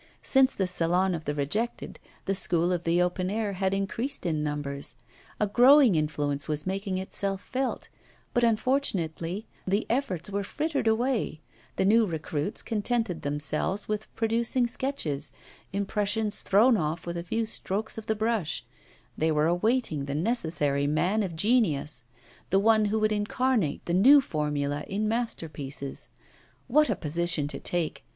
Since the Salon of the Rejected the 'school of the open air' had increased in numbers; a growing influence was making itself felt; but unfortunately, the efforts were frittered away; the new recruits contented themselves with producing sketches, impressions thrown off with a few strokes of the brush; they were awaiting the necessary man of genius, the one who would incarnate the new formula in masterpieces. What a position to take!